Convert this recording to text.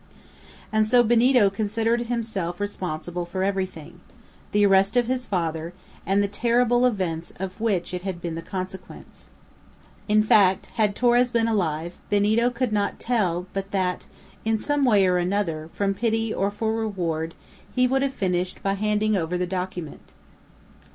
And so Benito considered himself responsible for everything the arrest of his father, and the terrible events of which it had been the consequence. In fact, had Torres been alive, Benito could not tell but that, in some way or another, from pity or for reward, he would have finished by handing over the document.